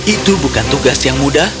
itu bukan tugas yang mudah